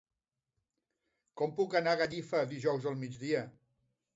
Com puc anar a Gallifa dijous al migdia?